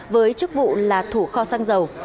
với chức vụ là thủ kho xăng dầu